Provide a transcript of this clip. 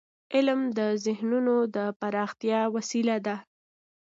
علم د ذهنونو د پراختیا وسیله ده.